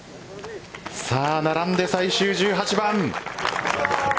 さあ、並んで最終１８番。